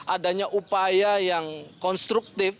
adanya upaya yang konstruktif